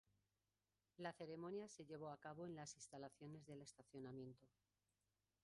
La ceremonia se llevó a cabo en las instalaciones del estacionamiento.